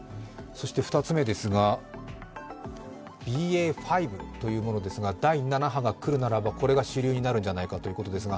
２つ目ですが、ＢＡ．５というものですが第７波が来るならば、これが主流になるのではないかということですが。